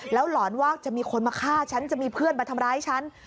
หลอนว่าจะมีคนมาฆ่าฉันจะมีเพื่อนมาทำร้ายฉัน